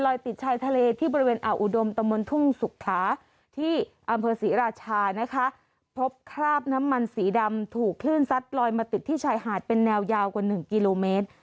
ติดชายทะเลที่บริเวณอ่าวอุดมตะมนต์ทุ่งสุขาที่อำเภอศรีราชานะคะพบคราบน้ำมันสีดำถูกคลื่นซัดลอยมาติดที่ชายหาดเป็นแนวยาวกว่าหนึ่งกิโลเมตร